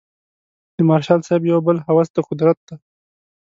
د مارشال صاحب یو بل هوس د قدرت دی.